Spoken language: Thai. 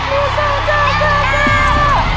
ตัวเลือกที่สี่๑๐เส้น